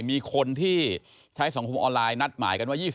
มีคนที่ใช้สังคมออนไลน์นัดหมายกันว่า